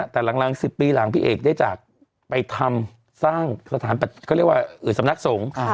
แต่หลัง๑๐ปีหลังพี่เอกได้จากไปทำสร้างสถานเขาเรียกว่าสำนักสงฆ์